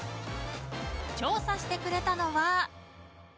調査してくれたのは。